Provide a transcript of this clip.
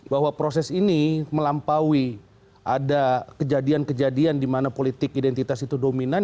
bahwa proses ini melampaui ada kejadian kejadian di mana politik identitas itu dominan